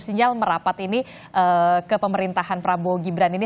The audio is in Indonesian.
sinyal merapat ini ke pemerintahan prabowo gibran ini